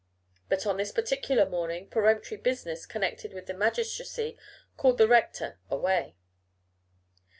But on this particular morning peremptory business connected with the magistracy called the rector away.